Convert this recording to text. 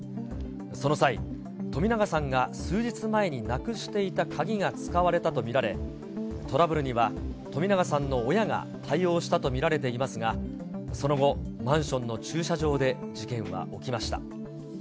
その際、冨永さんが数日前になくしていた鍵が使われたと見られ、トラブルには冨永さんの親が対応したと見られていますが、その後、マンションの駐車場で事件は起きました。